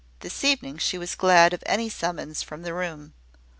This evening she was glad of any summons from the room.